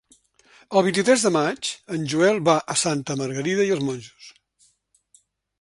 El vint-i-tres de maig en Joel va a Santa Margarida i els Monjos.